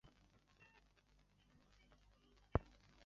粤港汽车现时是广东省交通集团有限公司的成员之一。